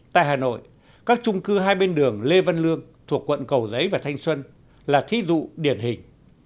tại hà nội các trung cư hai bên đường lê văn lương thuộc quận cầu giấy và thanh xuân là thí dụ điển hình